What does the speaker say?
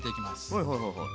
はいはいはいはい。